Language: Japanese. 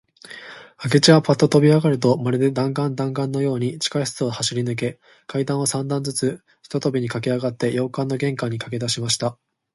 明智はパッととびあがると、まるで弾丸だんがんのように、地下室を走りぬけ、階段を三段ずつ一とびにかけあがって、洋館の玄関にかけだしました。